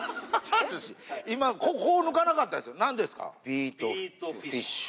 今こう抜かなかったですよ何ですか？